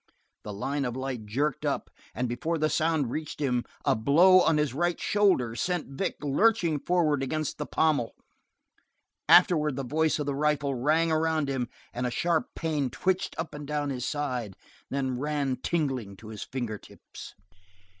The line of light jerked up, and before the sound reached him a blow on his right shoulder sent Vic lurching forward against the pommel. Afterwards the voice of the rifle rang around him and a sharp pain twitched up and down his side, then ran tingling to his fingertips.